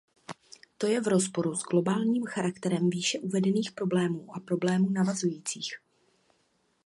To je v rozporu s globálním charakterem výše uvedených problémů a problémů navazujících.